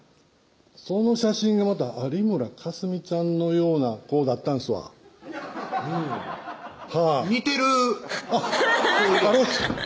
その写真がまた有村架純ちゃんのような子だったんすわうん似てるあれ？